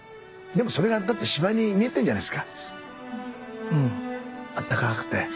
でもそれがだって芝居に見えてんじゃないですかあったかくて。